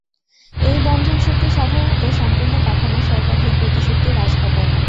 এই বন্ধন শক্তি সাধারণত সম্পূর্ণ কাঠামোর সর্বাধিক গতিশক্তি হ্রাস ঘটায়।